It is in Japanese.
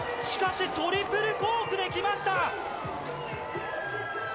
しかしトリプルコークできました。